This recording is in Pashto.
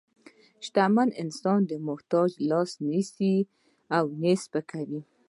شتمن انسان د محتاج لاس نیسي، نه یې سپکوي.